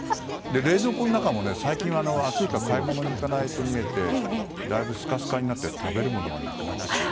冷蔵庫の中も最近暑いから買い物に行かないと見えてだいぶスカスカになって食べるものがなくなってきてる。